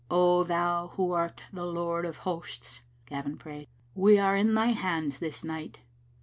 " Oh, Thou who art the Lord of hosts," Gavin prayed, we are in Thy hands this night.